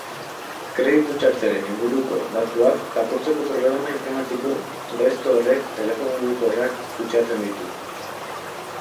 Kreditu txartelen inguruko datuak lapurtzeko programa informatiko gaizto horrek telefono mugikorrak kutsatzen ditu.